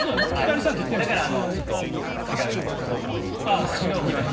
だからちょっと違う方向に行きまして。